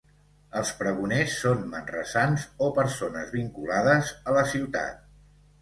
Els pregoners són manresans o persones vinculades a la ciutat.